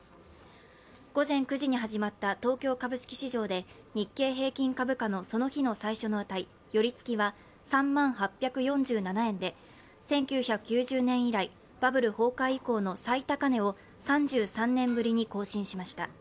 午前９時に始まった東京株式市場で日経平均株価のその日の最初の値、寄りつきは３万８４７円で１９９０年以来、バブル崩壊以来の最高値を３３年ぶりに更新しました。